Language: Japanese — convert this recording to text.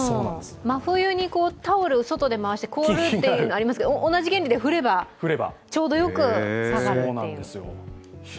真冬にタオル外で回して凍るというの、ありますけど同じ原理で降ればちょうどよく下がるという。